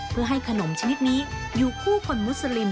เพื่อให้ขนมชนิดนี้อยู่คู่คนมุสลิม